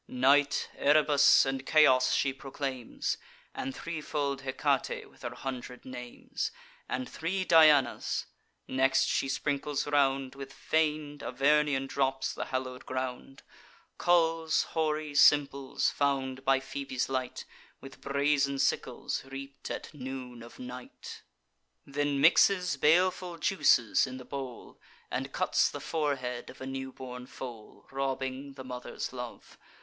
Night, Erebus, and Chaos she proclaims, And threefold Hecate, with her hundred names, And three Dianas: next, she sprinkles round With feign'd Avernian drops the hallow'd ground; Culls hoary simples, found by Phoebe's light, With brazen sickles reap'd at noon of night; Then mixes baleful juices in the bowl, And cuts the forehead of a newborn foal, Robbing the mother's love.